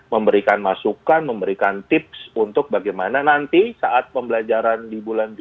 memberikan masukan memberikan tips untuk bagaimana nanti saat pembelajaran di bulan juli